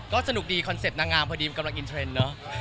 ก็สนุกดีคอนเซ็ปต์นางงามเพราะดีมีกำลังอินเทรนด์